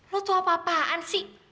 lu tuh apa apaan sih